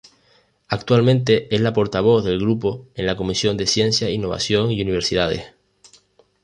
Actualmente es la portavoz del grupo en la comisión de Ciencia, innovación y universidades.